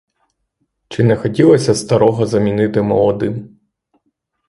Чи не захотілося старого замінити молодим?